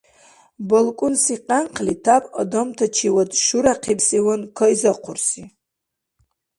БалкӀунси къянкъли тяп адамтачивад шуряхъибсиван кайзахъурси.